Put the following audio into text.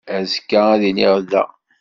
Azekka ad iliɣ da.